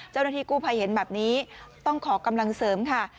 เจ้าหน้าที่กู้ภัยเห็นแบบนี้ต้องขอกำลังเสริมค่ะ